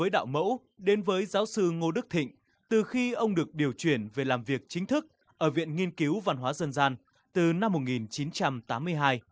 đạo mẫu đến với giáo sư ngô đức thịnh từ khi ông được điều chuyển về làm việc chính thức ở viện nghiên cứu văn hóa dân gian từ năm một nghìn chín trăm tám mươi hai